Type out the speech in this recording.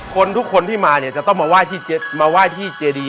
คนทุกคนที่มาจะต้องมาไหว้ที่เจรีย์